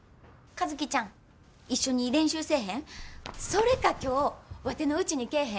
それか今日ワテのうちに来えへん？